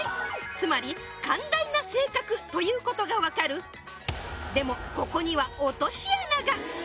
つまり寛大な性格ということが分かるでもここには落とし穴が！